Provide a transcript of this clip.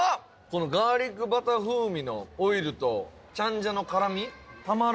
このガーリックバター風味のオイルとチャンジャの辛みたまらん！